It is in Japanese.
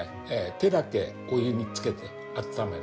手だけお湯につけて温める。